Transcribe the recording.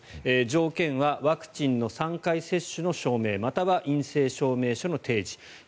条件はワクチンの３回接種の証明または陰性証明書の提示。